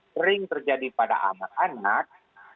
sering terjadi pada anak anak